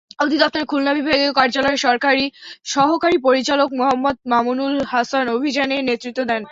অধিদপ্তরের খুলনা বিভাগীয় কার্যালয়ের সহকারী পরিচালক মোহাম্মদ মামুনুল হাসান অভিযানে নেতৃত্ব দেন।